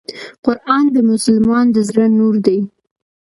قرآن د مسلمان د زړه نور دی .